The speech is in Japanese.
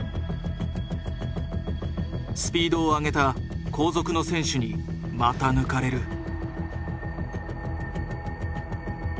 スピードを上げた後続の選手にまた抜かれる。